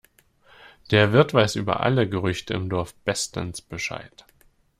Der Wirt weiß über alle Gerüchte im Dorf bestens Bescheid.